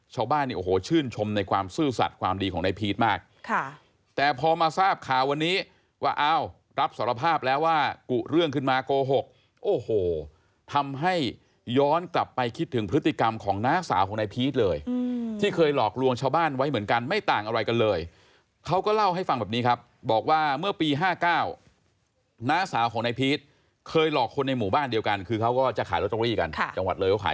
ชาวบ้านเนี่ยโอ้โหชื่นชมในความซื่อสัตว์ความดีของในพีทมากแต่พอมาทราบข่าววันนี้ว่าเอารับสารภาพแล้วว่ากุเรื่องขึ้นมาโกหกโอ้โหทำให้ย้อนกลับไปคิดถึงพฤติกรรมของน้าสาวของในพีทเลยที่เคยหลอกลวงชาวบ้านไว้เหมือนกันไม่ต่างอะไรกันเลยเขาก็เล่าให้ฟังแบบนี้ครับบอกว่าเมื่อปี๕๙น้าสาวของ